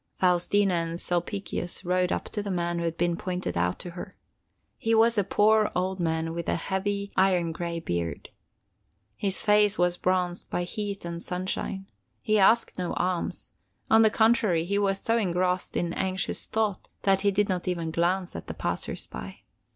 Faustina and Sulpicius rode up to the man who had been pointed out to her. He was a poor old man with a heavy iron gray beard. His face was bronzed by heat and sunshine. He asked no alms; on the contrary, he was so engrossed in anxious thought that he did not even glance at the passers by.